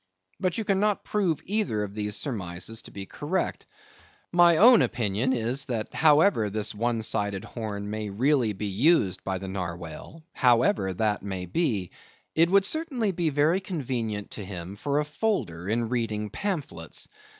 But you cannot prove either of these surmises to be correct. My own opinion is, that however this one sided horn may really be used by the Narwhale—however that may be—it would certainly be very convenient to him for a folder in reading pamphlets.